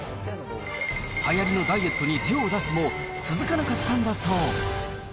はやりのダイエットに手を出すも、続かなかったんだそう。